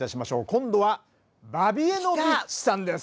今度はバビ江ノビッチさんです。